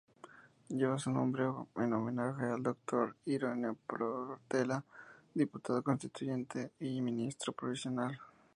Lleva su nombre en homenaje al doctor Ireneo Portela, diputado, constituyente y ministro provincial.